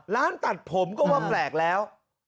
ร้านตัดผมก็ว่าแปลกแล้ว